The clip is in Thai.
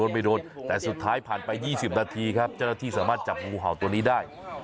ไม่โดนแต่สุดท้ายผ่านไป๒๐นาทีครับเจ้าหน้าที่สามารถจับงูเห่าตัวนี้ได้